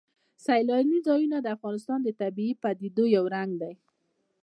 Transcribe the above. سیلانی ځایونه د افغانستان د طبیعي پدیدو یو رنګ دی.